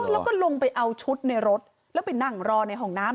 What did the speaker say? แล้วก็ลงไปเอาชุดในรถแล้วไปนั่งรอในห้องน้ำ